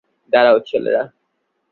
দাঁড়াও, ছেলেরা।